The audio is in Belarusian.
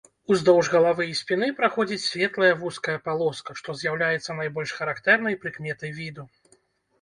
Уздоўж галавы і спіны праходзіць светлая вузкая палоска, што з'яўляецца найбольш характэрнай прыкметай віду.